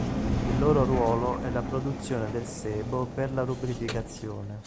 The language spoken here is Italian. Il loro ruolo è la produzione del sebo per la lubrificazione.